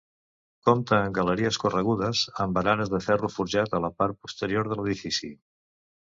Compta amb galeries corregudes amb baranes de ferro forjat a la part posterior de l'edifici.